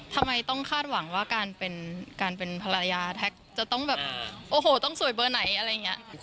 ทำไมต้องคาดหวังว่าการเป็นการเป็นภรรยาแท็กจะต้องแบบโอ้โหต้องสวยเบอร์ไหนอะไรอย่างนี้